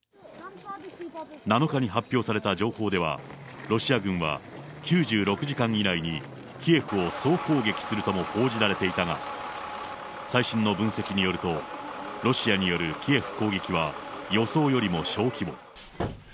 ７日に発表された情報では、ロシア軍は９６時間以内にキエフを総攻撃するとも報じられていたが、最新の分析によると、ロシアによるキエフ攻撃は予想よりも小規模。